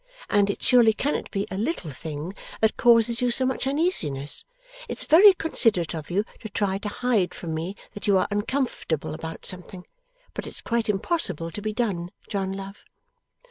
And it surely cannot be a little thing that causes you so much uneasiness. It's very considerate of you to try to hide from me that you are uncomfortable about something, but it's quite impossible to be done, John love.